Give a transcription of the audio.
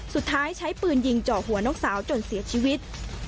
สุดท้ายใช้ปืนยิงเจาะหัวน้องสาวจนเสียชีวิต